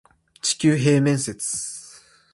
地球平面説